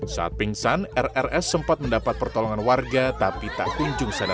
saat pingsan rrs sempat mendapat pertolongan warga tapi tak kunjung sana